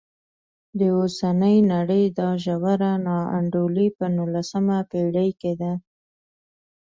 د اوسنۍ نړۍ دا ژوره نا انډولي په نولسمه پېړۍ کې ده.